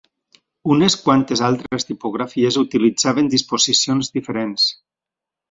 Unes quantes altres tipografies utilitzaven disposicions diferents.